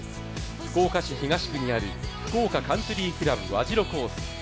福岡市東区にある、福岡カンツリー倶楽部和白コース